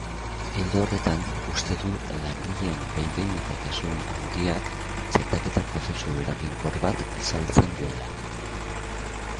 Ildo horretan, uste du langileen behin-behinekotasun handiak txertaketa-prozesu eraginkor bat zailtzen duela.